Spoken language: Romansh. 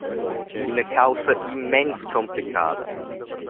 Ina caussa immens cumplicada.